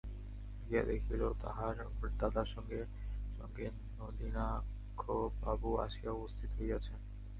গিয়া দেখিল, তাহার দাদার সঙ্গে সঙ্গে নলিনাক্ষবাবু আসিয়া উপস্থিত হইয়াছেন।